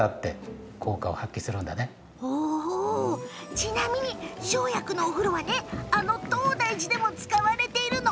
ちなみに、生薬のお風呂はあの東大寺でも使われているの。